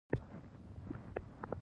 زردالو له پلار سره ناستې ده.